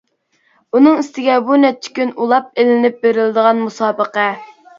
ئۇنىڭ ئۈستىگە بۇ نەچچە كۈن ئۇلاپ ئېلىنىپ بېرىلىدىغان مۇسابىقە.